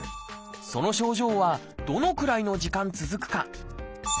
その症状はどのくらいの時間続くか。